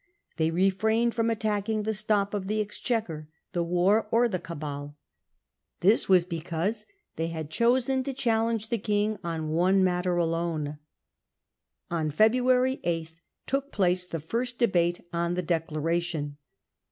They refrained from attacking the t top of the Exchequer, the War, or the Cabal. This was because they had chosen to challenge the King on one matter alone. On February 8 took place the first debate on the Declaration.